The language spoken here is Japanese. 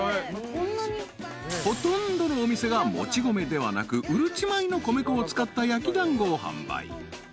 ［ほとんどのお店がもち米ではなくうるち米の米粉を使った焼き団子を販売］